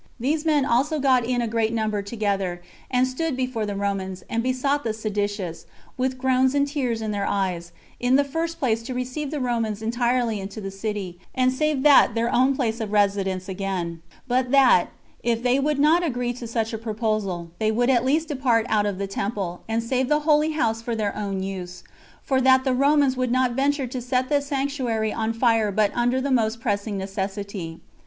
These men also got in a great number together, and stood before the Romans, and besought the seditious, with groans and tears in their eyes, in the first place to receive the Romans entirely into the city, and save that their own place of residence again; but that, if they would not agree to such a proposal, they would at least depart out of the temple, and save the holy house for their own use; for that the Romans would not venture to set the sanctuary on fire but under the most pressing necessity.